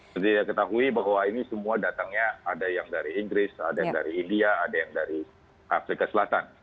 jadi kita ketahui bahwa ini semua datangnya ada yang dari inggris ada yang dari india ada yang dari afrika selatan